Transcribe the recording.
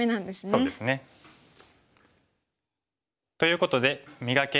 そうですね。ということで「磨け！